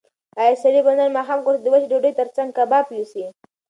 ایا سړی به نن ماښام کور ته د وچې ډوډۍ تر څنګ کباب یوسي؟